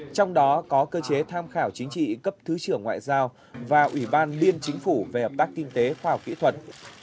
trong đó có cơ chế tham khảo chính trị cấp thứ trưởng ngoại giao và ủy ban liên chính phủ về hợp tác kinh tế khoa học kỹ thuật